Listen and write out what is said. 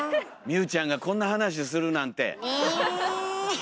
望結ちゃんがこんな話するなんて！ね！